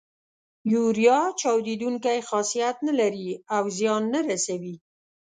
یوریا چاودیدونکی خاصیت نه لري او زیان نه رسوي.